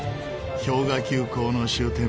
氷河急行の終点